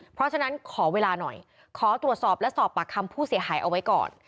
เพราะฉะนั้นขอเวลาหน่อยขอตรวจสอบและสอบปากคำผู้เสียหายเอาไว้ก่อน